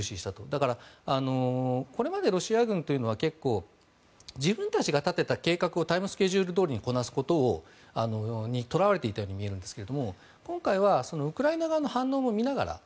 だからこれまでロシア軍というのは自分たちが立てた計画をタイムスケジュールどおりにこなすことにとらわれていたように見えるんですが今回はウクライナ側の反応も見ながら。